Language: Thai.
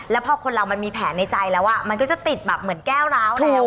แล้วพอคนเรามันมีแผนในใจแล้วมันก็จะติดแบบเหมือนแก้วร้าวเร็ว